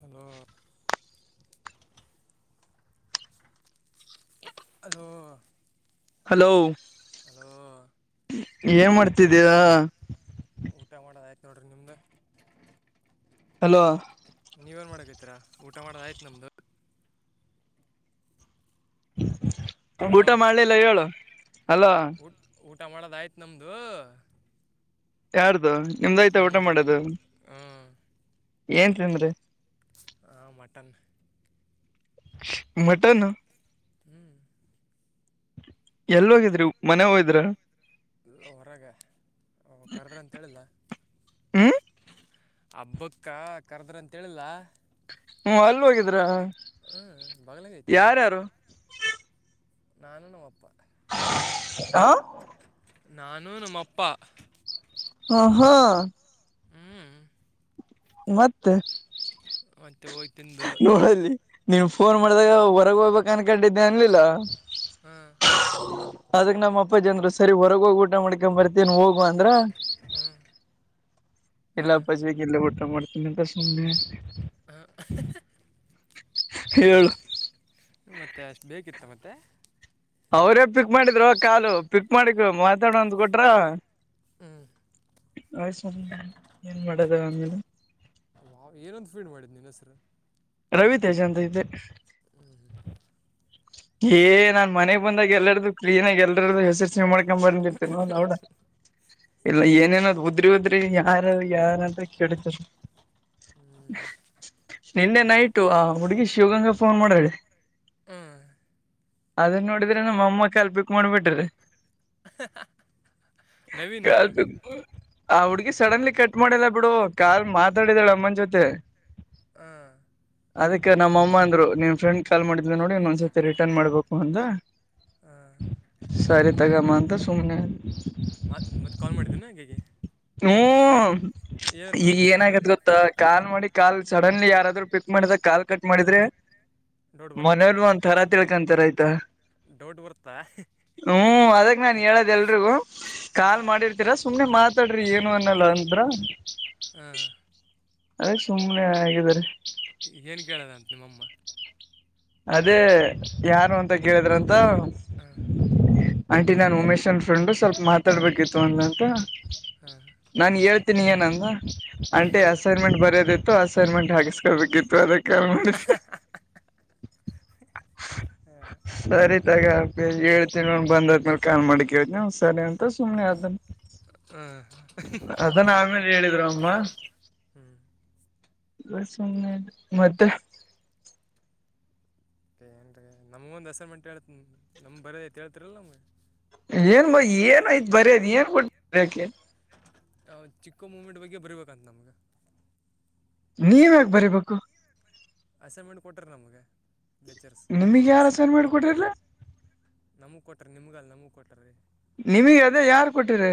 ಹಲೋರ್ [unintelligible] ಅದು ಹಲೋ ಏನ್ ಮಾಡ್ತಿದ್ದೀರಾ ಊಟ ಮಾಡೋದ ಆಯ್ತು ನೋಡ್ರಿ ನಿಮ್ದ ಹಲೋ ನೀವ ಏನ್ ಮಾಡಕೈತಿರಾ ಊಟ ಮಾಡೋದ ಆಯ್ತ ನಮ್ದು ಹಲೋ ಊಟ ಮಾಡ್ಲಿಲ್ಲ ಹೇಳು ಅಲ್ಲ ಊಟ ಊಟ ಮಾಡೋದ ಆಯ್ತು ನಮ್ದು ಯಾರ್ದು ನಿಮ್ದ ಆಯ್ತಾ ಊಟ ಮಾಡದು ಏನ್ೀನ್್ರಿ ಹ ಮಟನ್ ಮಟನ್ ಹ್ಮ್ ಎಲ್ ಹೋಗಿದ್ರಿ ಮನೆ ಹೋಗಿದ್ರ ಹೊರಗೆ ಕರೆದ್ರೆ ಅಂತೇಳಿಲ್ಲ ಹ್ಮ್ ಹಬ್ಬಕ್ಕ ಕರ್ದ್ರಂತೇಳಿಲ್ಲ ಹ್ಮ್ ಅಲ್ಲಿ ಹೋಗಿದ್ರಾ ಹ್ಮ್ ಬಗ್ಲಂಗ ಆಯ್ತದ ನಾನು ನವುಪ್ಪ ಹ ನಾನು ನಮ್ಮಪ್ಪ ಹ ಹಾ ಹ್ಞೂ ಮತ್ತೆ ಮತ್ತುತ್ತೆ ವಂದ ನೋಡಲ್ಲಿ ನೀನ್ ಫೋನ್ ಮಾಡ್ದಾಗ ಹೊರಗೆ ಹೋಗ್ಬೇಕ ಅನ್ಕೊಂಡಿದ್ದೆ ಅನ್ಲಿಲ್ಲ ಹಾಂ ಅದಕ್ ನಮ್ಮ ಅಪ್ಪ ಜನ್ರು ಸರಿ ಹೊರಗ ಹೋಗಿ ಊಟ ಮಾಡ್ಕೊ ಬರ್ತವಿ ೇನ್ ಹೋಗುವ ಅಂದ್ರ ಹ್ಞೂ ಹಾಂ ಎಲ್ಲಪ್ಪ ಜ ಇಲ್ಲ ಊಟ ಮಾಡತ ಎನೇಕ ಸನೆ ಹ ಹೇಳು ಮತ್ತೆ ಅಷ್ಟು ಬೇಕಿತ್ತು ಮತ್ತೆ ಅವ್ರೇ ಪಿಕ್ ಮಾಡಿದ್ರು ಕಾಲು ಪಿಕ್ ಮಾಡಿಕ್ ಮಾತಾಡೋಂದ್ ಕೊಟ್ರ ಹ್ಞೂ ಆಯ್ ಸುಮ ಏನ್ ಮಾಡದ ಆಮೇಲೆ ವ್ ಏನೊಂದು ಫೀಡ್ ಮಾಡಿದ್ ನಿ ಹೆಸರು ರವಿ ತೇಜಾಂತ ಇದ್ದೆ ಏ ನಾನ್ ಮನೆಗ್ ಬಂದಾಗ ಎಲ್ಲಾರ್ದು ಕ್ಲೀನಾಗ ಎಲ್ಲರ್ದು ಹೆಸರು ಸ ಮಾಡ್ ಬರ್ಂದಿತ್ತು ನ ನಡ ಇಲ್ಲ ಏನೇನದ್ ಉದ್ರಿ ಉದ್ರಿ ಯಾರ ಯಾರಂದ್ರ ಕೇಳತಾರ ನಿನ್ನೆ ನೈಟು ಆ ಹುಡುಗಿ ಶಿವಗಂಗಾ ಫೋನ್ ಮಾಡಾಿ ಹ ಅದನ್ ನೋಡಿದ್ರೆ ನಮ್ಮ ಅಮ್ಮ ಕಲ್ಪಿಕ್ ಮಾಡ್ಬಿಟ್ರಿ ಕ ನವೀನ್ ಆ ಹುಡ್ಗಿ ಸಡನ್ಲಿ ಕಟ್ ಮಾಡಲ್ಲ ಬಿಡು ಕಾಲ್ ಮಾತಾಡಿದಾಳ ಅಮ್ಮನ ಜೊತೆ ಹಾಂ ಅದಕ್ಕೆ ನಮ್ಮ ಅಮ್ಮ ಅಂದ್ರು ನಿನ್್ ಫ್ರೆಂಡ್ ಕಾಲ್ ಮಾಡಿದ್ ನೋಡಿ ಇನ್ನೊಂದ್ಸತಿ ಮತ್ತ ರಿಟರ್ನ್ ಮಾಡ್ಬೇಕು ಅಂದ ಹ ಸಾರ ತಗ ಮದ ಸುಮನೆ ಮತ್ ಮತ್ತೆ ಕಾಲ್ ಮಾಡಿದ್ದನು ಹಗೆ ಹ್ಮ್ ಈಗ ಅಂದ್ಲು ಅಂತ ಏನಗತ್ ಗೊತ್ತಾ ಕಾಲ್ ಮಾಡಿ ಕಾಲ್ ಚ ನನ್ ಯಾರಾದ್ರರು ಪಿಕ್ ಮಾಡಿದ ಕಾಲ್ ಕಟ್ ಮಾಡಿದ್ರೆ ಡೌಟ್ ಬರುತ್ತಾ ಮನೇಲ್ ಒಂದಥರ ತಿಳ್ಕೊಂತಾರ ಆಯ್ತಾ ಡೌಟ್ ಬರುತ್ತಾ ಹ್ಮು ಅದಕ್ ನಾನ್ ಹೇಳೊದ್ ಎಲ್ರಿಗೂ ಕಾಲ್ ಮಾಡಿರ್ತೀರ ಸುಮ್ನೆ ಮಾತ್ ತಾಡ್ರಿ ಏನು ಅನ್ನಲ್ಲ ಅಂದ್ರ. ಹಾಂ ಅದಕ್ ಸುಮ್ನೆ ಆಗಿದ್ದೆರೀ. ಏನ್ ಕೆಳ್ಯಾಳಂತ್ ನಿಮ್ಮ ಅಮ್ಮ. ಅದೇ ಯಾರು ಅಂತ ಕೇಳಿದ್ರಂತ. ಹ ಆಂಟಿ ನಾನ್ ಉಮೇಶನ್ ಫ್ರೆಂಡ್ ಸ್ವಲ್ಪ ಮಾತಾಡ್ಬೇಕಿತ್ತು ಅಂದಂತ. ಹಾಂ ನಾನ್ ಹೇಳ್ತೀನಿ ಏನಂದ ಆಂಟಿ ಅಸೈನ್ಮೆಂಟ್ ಬರಿಯೋದಿತ್ತು ತ್ತು ಅಸೈನ್ಮೆಂಟ್ ಹಗಿಸ್ಕೊಳ್ಬೇಕಿತ್ತು ಅದಕ [unintelligible] ಹಾಂ ಸರಿ ತಗೋ ಹೇಳ್ತನ ಬಂದ ಆದ್ಮೇ ಕಾ [unintelligible] ಸರಿ ಅಂತ ಸುಮ್ಮನೆ ಆದ. ಅದನ್ ಅವಂಗ್ ಹೇಳಿದ್ರು ಅಮ್ಮ. ಹ್ಞೂ [unintelligible] ಮತ್ತೆ. ನಮಗೊಂದ್ ಅಸೈನ್ಮೆಂಟ್ ಹೇಳ್ ನಮ್ಮ ಬರೇ ಅತ್ ಹೇಳ್ತೀರಲ್ಲ ನಮಗ್. ಏನ್ ಏನ್ ಐತಿ ಬರಿಯೋದ್ ಏನ್ ಕೊಟ್ಟ ಬರಿಯಕೆ. ಕೊಮ್ಮಿಡ್ ಬಗ್ಗೆ ಬರಿಬೇಕಂತ. ನೀವ್ ಯಾಕ್ ಬರಿಬೇಕು. ಅಸೈನ್ಮೆಂಟ್ ಕೊಟ್ರ ನಮ್ಗ. ನಿಮಗ್ ಯಾರ್ ಅಸೈನ್ಮೆಂಟ್ ಕೊಟ್ರಲೇ. ನಿಮಗ್ ಅಲ್ಲ ನಮಗ್ ಕೊಟ್ಟಾರ್. ನಿಮಗ ಅದೇ ಯಾರ್ ಕೊಟ್ಟರ್.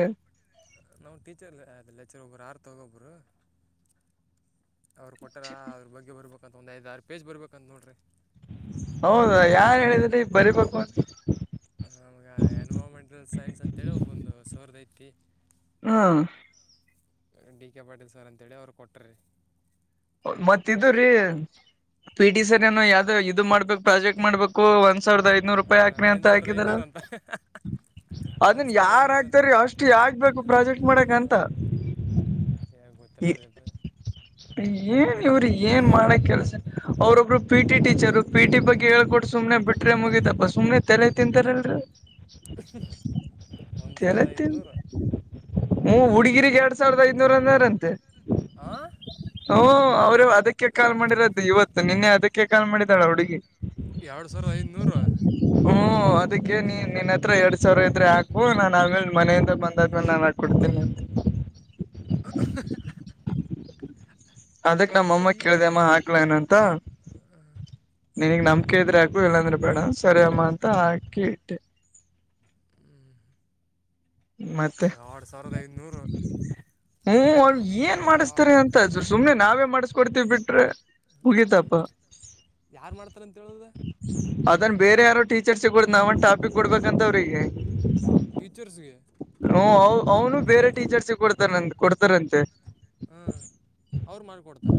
ತಗೊಬರು ಅವ್ರು ಕೊಟ್ಟಾರ ಅವ್ರ ಬಗ್ಗೆ ಬರೀಬೇಕ. ಒಂದ್, ಐದ್, ಆರ್ ಪೇಜ್ ಬರೀಬೇಕಂತ ನೋಡ್ರಿ. ಹೌದ ಯಾರ್ ಹೇಳಿದ್ರಿ ಬರಿಬೇಕು ಅಂತ. ನಮ್ಗ ಎನ್ವಾರಮೆಂಟಲ್ ಸೈನ್ಸ್ ಅಂತ ಹೇಳಿ ಒಬ್ಬಂದ್ ಸರ್ದ ಐತಿ. ಆ ಡಿ-ಕೆ ಪಾಟೀಲ್ ಸರ್ ಅಂತೇಳಿ ಅವ್ರು ಕೊಟ್ಟಿರಿ. ಮತ್ತ್ ಇದುರಿ ಪಿಟಿ ಹ್ಞೂ ಸರ್ ಏನೋ ಯಾರ್ದೋ ಇದು ಮಾಡಬೇಕು ಪ್ರಾಜೆಕ್ಟ್ ಮಾಡ್ಬೇಕು ಒಂದ್ ಸಾವಿರದ ಐದ್ನೂರು ರೂಪಾಯಿ ಹಾಕ್ರೀ ಐದು ಅಂತ ಸಾವಿರದ ಹಾಕಿದಾರೇ ಐದುನೂರು ಅಂತ ಒಂದು ಅದನ್ ಸಾವಿರದ ಯಾರ್ ಐದುನೂರು ಅಂತ್ರಿ ಹಾಕ್ತಾರೀ ಅಷ್ಟ ಯಾಕ್ಬೇಕು ಪ್ರಾಜೆಕ್ಟ್ ಮಾಡಾಕಂತ. ಗೊತ್ತಿಲ್ರಿ ಅದ. ಏನ್ ಇವರು ಏನ್ ಮಾಡಾಕ್ ಕೆಲ್ಸ ಅವ್ರ್ ಒಬ್ಬರು ಪಿಟಿ ಟೀಚರು ಪಿಟಿ ಬಗ್ಗೆ ಹೇಳ್ಕೋಟ್ಟ್ ಬಿಟ್ರೆ ಮುಗೀತಪ್ಪಾ ಸುಮನೆ ತಲೆ ತಿಂತಾರರಲ್ರಿ ಒಂದ್ ಸಾವಿರದ ಐದ್ನೂರ್. ಹ್ಮು ಹುಡುಗಿರಿಗ್ ಎರಡ್ ಸಾವಿರದ ಐದನ್ನೂರು ಅಂದಾರಂತೆ. ಹಾಂ ಹು ಅವರು ಅದಕ್ಕೆ ಕಾಲ್ ಮಾಡಿರೋದು ಇವತ್ತು ನಿನ್ನೆ ಅದಕ್ಕೆ ಕಾಲ್ ಮಾಡಿದಾಳ ಆ ಹುಡುಗಿ. ಎರಡು ಸಾವಿರ ಐದನ್ನೂರ. ಹು ಅದಕ್ಕೆ ನೀ ನಿನ್ನ ಹತ್ರ ಎರಡ್ ಸಾವಿರ ಇದ್ರೆ ಹಾಕು ನಾನ್ ಆಮೇಲೆ ಮನೆಯಿಂದ ಬಂದಾದ್ಮೇಲೆ ನಾನ ಹಾಕಿ ಕೊಡ್ತೀನಿ [unintelligible] ಅದಕ್ ನಮ್ಮಮ್ಮ ಅಯ್ಯೇ ಕೇಳಿದೆಮ್ಮ ಹಾಕ್ಲೇನ್ ಅಂತ ನಿನಗ್ ನಂಬಿಕೆ ಇದ್ರೆ ಹಾಕು ಇಲ್ಲಾಂದ್ರೆ ಬೇಡ ಸರಿ ಅಮ್ಮ ಅಂತ ಹಾಕಿ ಇಟ್ಟೆ. ಎರಡು ಸಾವಿರದ ಐದನ್ನೂರು ಹ್ಮು ಅವ್ ಏನ್ ಮಾಡಿಸ್ತಾರೆ ಅಂತ ಸುಮ್ನೆ ನಾವೇ ಮಾಡಿಸಕೊಡ್ತ ಬಿಟ್ರೆ ಮುಗಿತಪ್ಪ ಯಾರು ಮಾಡ್ತಾರಂತ ಹೇಳೋದು ಅದ್ ಅದನ್ ಬೇರೆ ಯಾರೋ ಟೀಚರ್ಸ್ಗೋಲಿಗ್ ನಾವ್ ಟಾಪಿಕ್ ಕೊಡ್ಬೇಕಂತ ಅವರಿಗೆ. ಟೀಚರ್ಸ್ಗೆ ಹು ಅವ್ ಅವನು ಬೇರೆ ಟೀಚರ್ಸ್ಗೆ ಕೊಡ್ತಾರ ಕೊಡ್ತಾರಂತೆ. ಹಾ ಅವ್ರ ಮಾಡಕೊಡ್ತಾರ.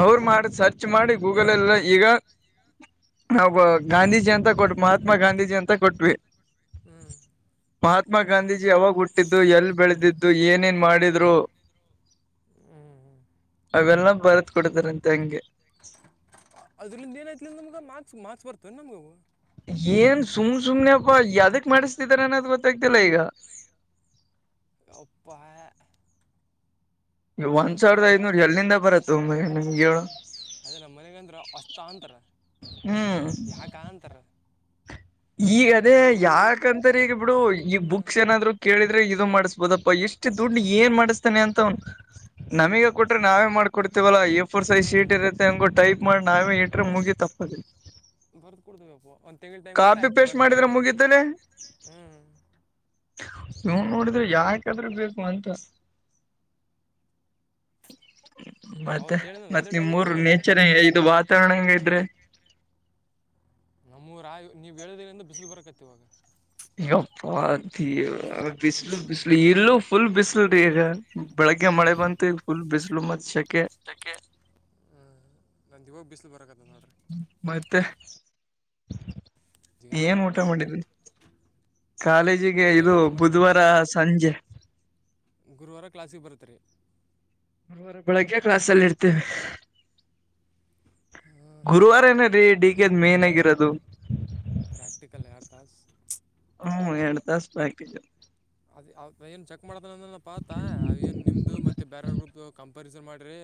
ಅವರ ಮಾಡಿ ಸರ್ಚ್ ಮಾಡಿ ಗೂಗಲ್ಲ್ ಎಲ್ಲಾ ಈಗ ಒಬ್ಬ ಗಾಂಧೀಜಿ ಅಂತ ಕೊಟ್ ಮಹಾತ್ಮ ಗಾಂಧೀಜಿ ಅಂತ ಕೊಟ್ವಿ. ಹ್ಮ್ ಮಹಾತ್ಮ ಗಾಂಧೀಜಿ ಯಾವಾಗ ಹುಟ್ಟಿದ್ದು ಎಲ್ ಬೆಳೆದಿದ್ದು ಏನೇನ್ ಮಾಡಿದ್ರು ಹ್ಞೂ ಹ್ಞೂ ಅವೆಲ್ಲ ಬರ್ದ ಕೊಡ್ತಾರಂತ ಹೆಂಗೆ ಆದ್ದರಿಂದ ಏನಾಯ್ತಿ ನಮ್ ಮಾರ್ಕ್ಸ್ ಮಾರ್ಕ್ಸ್ ಬರ್ತವ ನಮಗೂ ಏನ್ ಸುಮ್ ಸುಮ್ನೆ ಅಪ ಯಾವ್ದಕ್ ಮಾಡಿಸ್ತಿದಾರ ಅನ್ನೋದು ಗೊತ್ತಾಗ್ತಿಲ್ಲ ಈಗ ಯಪ್ಪಾ ಒಂದ್ ಒಂದು ಸಾವಿರದ ಐದು ಐದನೂರು ಎಲ್ಲಿಂದ ಬರತ್ತು ನಿಮ್ಗೆ ಹೇಳು ತಕೊಂತರ ಹ್ಮ್ ಯಾಕ ಅಂತಾರ ಈಗ ಅದೇ ಯಾಕಂತ್ರ ಈಗ ಬಿಡು ಈ ಹ್ಞೂ ಬುಕ್ಸ್ ಏನಾದ್ರು ಕೇಳಿದ್ರೆ ಇದು ಮಾಡಸ್ಬೋದಪ್ಪ ಇಷ್ಟ್ ಇಷ್ಟು ದುಡ್ಡು ಏನ್ ಮಾಡಿಸ್ತಾನನೆ ಅಂತ ನಮಗ ಕೊಟ್ರೆ ನಾವೇ ಮಾಡ್ಕೊಡ್ತೀವಲ್ಲ ಎ ಫೋರ್ ಸೈಜ್ ಹ್ಞೂ ಶೀಟ್ ಇರುತ್ತೆ ಹಂಗೂ ಟೈಪ್ ಮಾಡಿ ನಾವೇ ಇಟ್ರೆ ಮುಗಿತಪ್ಪ ಬರ್ದಕೊಡ್ದೇವಪ್ಪ ಕಾಪಿ ಪೇಸ್ಟ್ ಮಾಡಿದ್ರೆ ಮುಗಿದ್ದಲೆ ಹ್ಞೂ ನೀವು ನೋಡಿದ್ರೆ ಯಾಕಾದ್ರ ಬೇಕು ಅಂತ ಮತ್ತೆ ಅವತ್ತು ಹೇಳಿದ್ನಲ್ಲ ಮತ್ತ್ ಅದೇ ನಿಮ್ ಟಾಪಿಕ್ ಊರು ಎಲ್ಲ ಅವತ್ತು ನೇಚರ್ ಇದು ವಾತಾವರಣ ಹೆಂಗ್ ಅಯ್ತ್ರಿ ನಮ್ಮೂರ ನೀವ್ ಹೇಳೋದ್ರಿಂದ ಬಿಸಿಲು ಬರಕತಿ ಇವಾಗ ಯಪ್ಪಾ ಅಯ್ಯೋ ಬಿಸಿಲು ಬಿಸಿಲು ಬ ಇಲ್ಲೂ ಫುಲ್ ಬಿಸಿಲು ರೀ ಈಗ ಬೆಳಗ್ಗೆ ಮಳೆ ಬಂತು ಈಗ ಫುಲ್ ಬಿಸಿಲು ಮತ್ತೆ ಶೇಕೆ ಈವಾಗ ಬಿಸಲು ಬರಕತದ ನೋಡ ಮತ್ತೆ ಜಿಗೆ ಏನ್ ಊಟ ಮಾಡಿದ್ರಿ ಕಾಲೇಜಿಗೆ ಊಟ ಇದು ಹೇಳಿಲ್ಲ ಮಟನ್ ಬುಧವಾರ ಸಂಜೆ ಗುರುವಾರ ಕ್ಲಾಸಿಗೆ ಬರ್ತೀರಾ ಅವರ ಬೆಳಗ್ಗೆ ಕ್ಲಾಸಲ್ಲಿ ಇರ್ತೀವಿ ಹಾಂ ಗುರುವಾರ ಹಾಂ ಏನರೀ ಡಿ ಕೆ ಮೇನ್ ಆಗಿರೋದು ಪ್ರಾಕ್ಟಿಕಲ್ ಯಾರ್ದ ಹ್ಮ ಎರಡುತಾಸ ಪ್ರಟಿಕಲ್ ಅದ್ ಏನ್ ಚೆಕ್ ಮಾಡ್ತಾನ ಅಂದ ಪಾತ ಅವ ಏನ್ ನಿಮ್ದು ಮತ್ತೆ ಬೇರ್ರ ಗ್ರೂಪ್ದು ಕಂಪಾರಿಸನ್ ಮಾಡಿರಿ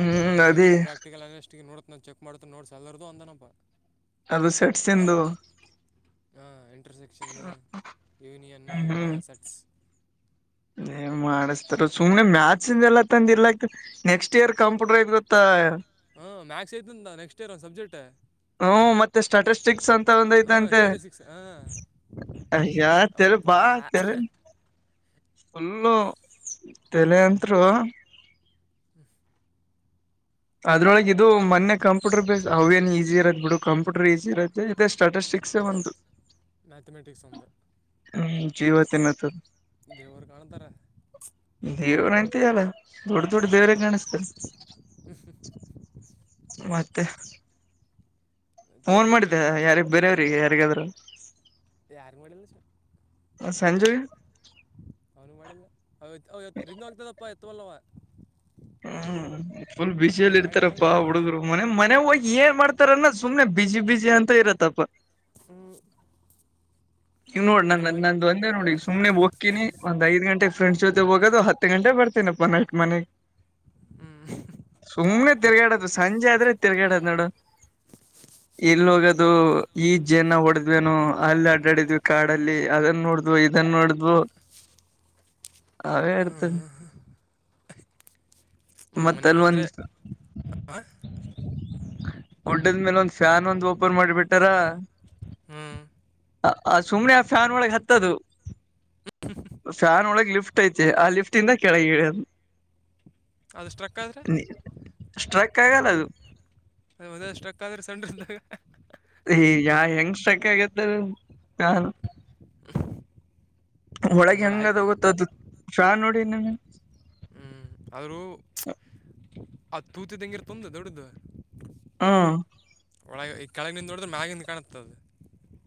ಮತ್ತೆ ನಾನು ಅದೇ ನೆಕ್ಸ್ಟ್ ಪ್ರಾಕ್ಟಿಕಲ್ ಆಗಸ್ಟಿಗೆ ನೋಡ್ ಚೆಕ್ ಮಾಡ್ತೀನಿ ನೋಟ್ಸ್ ಎಲ್ಲರದು ಅಂದನಪ್ಪ. ಅದು ಸೆಟ್ಸನ್ದು ಹಾಂ ಇಂಟರ್ಸೆಕ್ಷಕ್ಷನ್ನು ಯವನಿಯನ್ನು ಹ್ಮ್ ಹಾ ಹ್ಮ್ ಸಟ್ಸ್ ಏನ್ [inaudible] ಮಾಡಿಸ್ತಾರ ಸುಮ್ನೆ ಮ್ಯಾಥ್ಸಂದ ಎಲ್ಲಾ ತಂದ ಇಲ್ಲ ಆಗ್ತ ನೆಕ್ಸ್ಟ್ ಇಯರ್ ಕಂಪ್ಯೂಟರ್ ಐತ್ ಗೊತ್ತಾ ಹ್ಮ್ ಮಾಥ್ಸ್ ಐತಂದ ನೆಕ್ಸ್ಟ್ ಇಯರ್ ಸಬ್ಜೆಕ್ಟ್ ಮತ್ತ ಸ್ಟೇಸ್ಟಿಕ್ಸ್ ಅಂತ ಒಂದ ಹಾಂ ಐತಂತೆ ಸ್ಟ್ಯಾಟಿಸ್ಟಿಕ್ಸ್ ಹಾಂ ಅಯಾ ತರೆ ಅಪ್ಪ ಬಾ ತರೆ ಫುಲ್ಲು ತಲೆತ್ರು ಅದ್ರೊಳಗೆ ಇದು ಮೊನ್ನೆ ಕಂಪ್ಯೂಟರ್ ಬೇಸ್ ಅವೇನು ಈಸಿ ಇರತ್ತ ಬಿಡು ಕಂಪ್ಯೂಟರ್ ಈಸಿ ಇರತ್ತೆ ಮತ್ತೆ ಸ್ಟೇಸ್ಟಿಕ್ಸ್ ಒಂದು ಮ್ಯಾಥಮೆಟಿಕ್ಸ್ ಒಂದು ಹ್ಞ ಜೀವತ್ತಿನತ ದವರ ಕಾಣಂತರ ದೇವ ನತಿ ಯಲ್ಲ ದೊಡ್ಡ ದೊಡ್ಡ ದೇವರ ಗಾಣಿಸತ ಮತ್ತೆ ಮತ್ತೆ ಫೋನ್ ಏನಿಲ್ಲ ಮಾಡಿದ್ದೆ ನೋಡಪ್ಪ ಯಾರಿಗ್ ಬೇರೆಯವ್ರಿಗೆ ಯಾರಿಗಾದ್ರರು ಯಾರಿಗೆ ಮಾಡಿಲ್ಲ ಸರ್ ಸಂಜು ಅವತ್ತ್ ರಿಂಗ್ ಆಗ್ತದಪ್ಪ ಎತ್ತವಲ್ಲವ ಹ್ಮ ಫುಲ್ ನೀನು ಬ್ಯುಸಿಯಲ್ಲಿ ಮಾಡಿದ ಮ್ಯಾಗ ಇಡ್ತಾರಪ್ಪಾ ಅವ್ನಿಗೆ ಮಾಡಿದ್ದೆ ಹುಡುಗರು ಮನೆ ಮನೆ ಅವ್ರು ಹೋಗಿ ಏನ್ ಮಾಡ್ತಾರನ್ನ ಸುಮ್ಮ್ನೆ ಬ್ಯುಸಿ ಬ್ಯುಸಿ ಅಂತ ಇರತ್ತಪ್ಪ ಹ್ಮ ನೀವ ನೋಡ ನ ನಂದ ಒಂದೇ ನೋಡ ಸುಮ್ಮನೆ ಹೋಕ್ಕಿನಿ ಒಂದ್ಐದ್ ಗಂಟೆ ಫ್ರೆಂಡ್ಸ್ ಜೊತೆ ಹೋಗೋದು ಹತ್ ಹತ್ತು ಗಂಟೆ ಬರ್ತೀನಪ್ಪ ನೈಟ್ ಮನೆಗೆ ಹ್ಞೂ ಸುಮ್ನೆ ತಿರ್ಗಾಡದು ಸಂಜೆ ಆದ್ರೆ ತಿರ್ಗಾಡದ್ ನೋಡು ಎಲ್ಲಿ ಹೋಗದು ಈ ಜನ ಹೊಡೆದ್ವೇನು ಅಲ್ಲಿ ಕಡಿದ್ವಿ ಕಾಡಲ್ಲಿ ಅದನ್ನ ನೋಡಿದ್ವು ಇದನ್ನು ನೋಡಿದ್ವು ಅವೇ ಅಡ್ತ ಮು ಮನಿಬದ್ರೆ ಒಂದ್ ಹ ಉಡ್ಡದ್ಮೇಲೆ ಒಂದ್ ಫ್ಯಾನ್ ಒಂದ್ ಓಪನ್ ಮಾಡಿಬಿಟ್ಟಾರ ಹ್ಮ ಆ ಸುಮ್ನೆ ಆ ಫ್ಯಾನ್ ಒಳಗೆ ಹತ್ತದು ಫ್ಯಾನ್ ಒಳಗ ಲಿಫ್ಟ ಲಿಫ್ಟ್ ಐತೆ ಆ ಲಿಫ್ಟ್ ಇಂದ ಕೆಳಗೆ ಇಳೆದ ಅದು ಸ್ಟ್ರಕ್ ಆದರೆೆ ತೆಗೆದಾಕೋದು ಅದ ಒಂದ ಸ್ಟ್ರಕ್ ಆದ್ರೆ ಸಣ್ಣದ ಈ ಎಂಗ್ ಸ್ಟ್ರಕ್ ಆಗಿತ್ತು ಅದು [unintelligible] ಒಳಗೆ ಒಂದೊಳ್ಳೆ ಆಯ್ತು ಹಂಗದೋಗುತ್ತ ಅದು ಶಾ ನೋಡಿ ನಿ ಹ್ಮ್ ಆದ್ರೂ ಆ ತೂತ ತಂಗಿರ್ ತೊಂದು ದೊಡ್ಡ್ದ ಹಾ ಕೆಳಗಿನಿಂದ ನೋಡಿದ್ರೆ ಮ್ಯಾಗಿಂದ ಕಾಣತ್ತ ಅದ್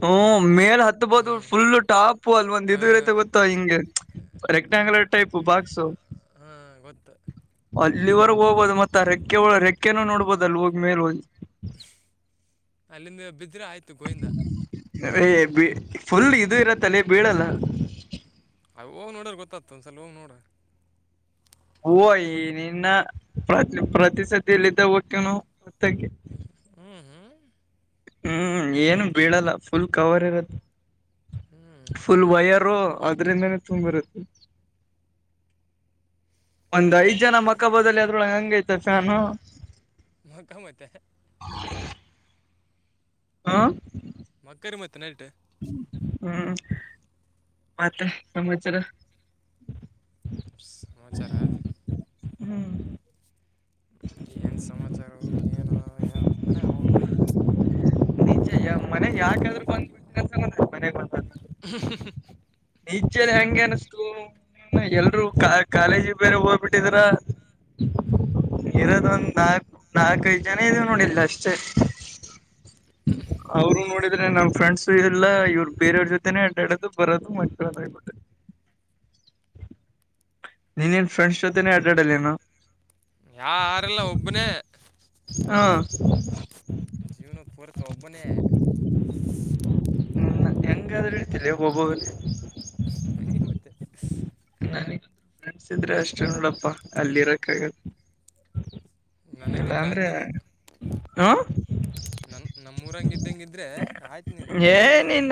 ಹ್ಮ ಮೇಲ್ ಹತ್ಬೋದು ಫುಲ್ ಟಾಪು ಅಲ್ ಒಂದ್ ಇದು ಇರತೆ ಹಾಂ ಗೊತ್ತಾ ಹಿಂಗೆ ರೆಕ್ಟಾಂಗುಲರ್ ಟೈಪ್ ಬಾಕ್ಸು ಹಾಂ ಗೊತ್ತು ಅಲ್ಲಿವರೆಗೆ ಹೋಗ್ಬೋದು ಮತ್ತ ಆ ರೆಕ್ಕೆ ಒಳ ರೆಕ್ಕೆನ ನೋಡ್ಬೋದು ಅಲ್ಲಿ ಹೋಗಿ ಮೇಲೆ ಹೋಗಿ ಅಲ್ಲಿಂದ ಬಿದ್ರೆ ಆಯ್ತು ಗೋವಿಂದ ಏ ಫುಲ್ ಇದು ಇರತ್ತಲ್ಲ ಬೀಳಲ್ಲ ಹೋಗ ನೋಡ್ರ ಗೊತ್ತ ಒಂದಸಲ ಹೋಗ ನೋಡು ಓ ನಿನ್ನ ಪ್ರತಿ ಪ್ರತಿ ಸತಿಯಲ್ಲಿದ್ದ ಹೊಕ್ಕಿವಿ ನಾವು ತ್ಯ ಹ್ಞೂ ಹ್ಞೂ ಹ್ಮ್ ಏನು ಬೀಳಲ್ಲ ಫುಲ್ ಕವರ್ ಇರತ್ತ ಹ್ಮ್ ಫುಲ್ ವಯರು ಅದ್ರಿಂದನೇ ತುಂಬರುತ್ತೆ ಒಂದ್ ಐದ್ ಜನ ಮಕ್ಕ ಬದಲಿ ಅದ್ರೊಳಗೆ ಹಂಗೈ್ತ ಫಾನು ಮತ್ತ ಮತ್ತ ಹಾ ಮಕ್ಕರಿ ಮತ್ತೆ ನೆೇಟೆ ಹ್ಮ್ ಮತ್ತೆ ಸಮಚಾರ ಸಮಾಚಾರ ಹ್ಮ್ ಏನ್ ಸಮಾಚಾರವು ಕ ನಾ ಅರ [unintelligible] ಮನೆ ಯಾಕೆಾದ್ರರು ಬಂದ್ಬಸ ಮನೆ ಬ [inaudible] ಹ ನಿಚಲಿ ಹಂಗೆ ಅನಿಸರು ಎಲ್ರು ಕಾಲೇಜಿ ಬೇರೆ ಹೋಗ್ಬಿಟ್ಟಿದ್ರ ಹ್ಮ್ ಇರೋದ ಒಂದ ನಾ ನಾಕೈದು ಜನ ಇದ ನೋಡಿಿಲ್ಲ ಅಷ್ಟೇ ಅವರು ನೋಡಿ ನಮ್ ಫ್ರೆಂಡ್ಸ್ ಇಲ್ಲ ಇವ್ರು ಬೇರೆಯ್ರ ಜೊತೆೇ ಅಡೋದು ಬರೋದು ಮ್ಕೋದ ಆಗ್ಬಿಟ್ಟೆ [unintelligible] ನೀನ್ೇನ್ ಫ್ರೆಂಡ್ಸ್ ಜೊತೆನೆೇ ಆಡಾಡಲ್ಲನ ಯಾ ಯಾರಲ್ಲ ಒಬ್ಬನೇ ಹಾ ಜೀವನ ಪರತ ಒಬ್ಬನೇ ಎಂಂಗ ಅದ ಎತಿಲ್ಲ ಒಬೋ ನ ಮತ್ತೆ ಫ್ರೆಂಡ್ಸ್ ಇದ್ರೆ ಅಷ್ಟೇ ನೋಡಪ್ಪಾ ಅಲ್ಲಿರಕ್ಕಲ್ ನನಗಿದ್ರತ್ ನಿಿನ ಹಾ ನನ್ ನಮ್ಮೂರಂಗ ಇದಂಗ ಇದ್ರೆ ಆಯ್ತು ನೀನ್ ಮನಗ್ ಹೋಗಲ್ ನೀನು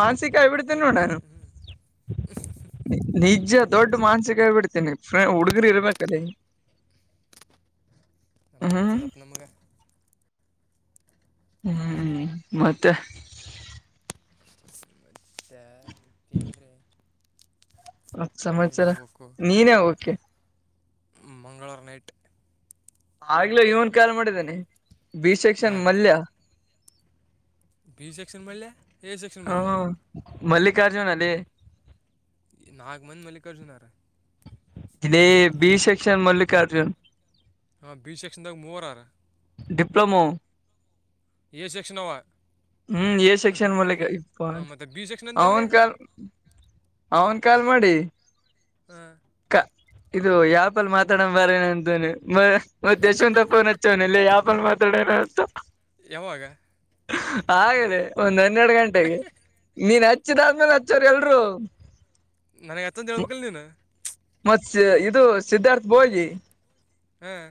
ಮಾನಸಿಕವಡ್ ತನ್ನೆ ಉೊಂಡಾನು ನಿಜ ದೊಡ್ಡ ಮಾನ್ಸಿಕ ಬಿಡ್ತೀನಿ ಊಡುಗರಿ ಇರಬೇಕಕ್ಕಲ್ಲೇ ನಮ್ಮ ಮಡತದಪ್ಪ ನಮಗೆ ಹ್ಮ್ ಮತ್ತೆ ಮ ಸೆ ಕೇಂದ್ರ ಮತ್ತ್ ಸಮಾಚಾರ ನೀನೇ ಹೋಗಕೆ ಮಂಗಳವಾರ ನೈಟ್ ಆಗ್ಲೇ ಇವನ್ ಕಾಲ್ ಮಾಡಿದ್ದೇಾನನೆ ಬಿ ಸೆಕ್ಷನ್ ಯಾರು ಮಲ್ಯ ಬಿ ಸೆಕ್ಷನ್ ಮಲೆೆ ಎ ಸೆಕ್ಷನ್ ಹ್ಮ ಮಲೆ ಮಲ್ಲಿಕಾರ್ಜುನ್ ಅಲ್ಲಿ ನಾಗ ಮಂದಿ ಮಲ್ಲಿಕಾರ್ಜುನರ ಇ ಬಿಿ ಸೆಕ್ಷನ್ ಮಲ್ಲಿಕಾರ್ಜುನ್ ಹಾ ಬಿ ಸೆಕ್ಷನ್ದಾಗ ಮೂವಾರ ಡಿಪ್ಲೊಮೋ ಸೆಕ್ಷಣವಾ ಹ್ಮ್ ಎ ಸೆಕ್ಷನ್ ಮೂಲಕ ಇಪ್ಪ ಆ, ಮತ್ತೆ ಬಿ ಸೆಕ್ಷನ್ ಅಂತಲ್ಲೇ ಅವನ್ ಕ ಅವನ್ ಕಾಲ್ ಮಾಡಿ ಹ್ಮ ಕ ಇದು ಯಾಪಲ್ ಮಾತಾಡ ಬಾರೇಏನ ಅಂತನ ಮತ್ತ ಯಶವಂತ ಫೋನ್ ಹಚ್ಚವನ ಇಲ್ಲ ಯಾಪಲ್ ಡನಂತ ಯಾವಾಗ ಹಾಗದೆ ಒಂದ್ ಹನ್ನೆರಡು ಗಂಟೆಗೆ ನೀನ್ ಹಚ್ಚಿದಾದ್ಮೇಲೆ ಹಚ್ಚೋ್ರ ಎಲ್ರು ನನಗೆ ಅತ್ತಂದು ಹಳ್ಬೇಕಲ್ ನೀನು ಮತ್ ಇದು ಸಿದ್ಧಾರ್ಥ ಬೋಗಿ ಹಾಂ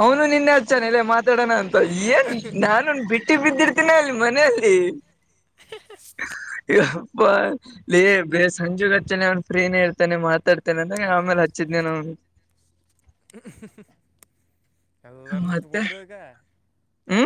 ಅವನು ನಿನ್ನೆ ಅವನು ಹಚ್ಚಾನಲ್ಲ ಮಾತಾಡೋಣ ಅಂತ ಏನ್ ನಾನು ಬಿಟ್ಟಿ ಬಿದ್ದಿರ್ ತ್ತಿನಲ್ಲಿ ಮನೆಯಲ್ಲಿ [inaudible] ಪ್ಪ ಬೇ ಸಂಜುಗ ಹಚ್ಚನ ಅವನ್ ಫ್ರೀನೇ ಇರ್ತಾನೆ ಮಾತಾಡ್ತ ಮಂದಗೆ ಆಮೇಲೆ ಹಚ್ಚಿದ್ನೇ ನ ಎಲ್ಲರ ನಿಂತುಬಟ್ರದಕ್ಕ ಹ